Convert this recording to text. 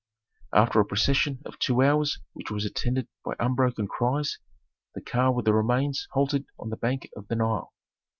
After a procession of two hours which was attended by unbroken cries, the car with the remains halted on the bank of the Nile.